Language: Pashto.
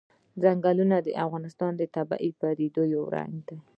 ځنګلونه د افغانستان د طبیعي پدیدو یو رنګ دی.